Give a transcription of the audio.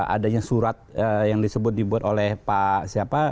adanya surat yang disebut dibuat oleh pak siapa